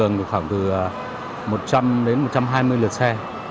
tăng cường khoảng từ một trăm linh đến một trăm hai mươi lượt xe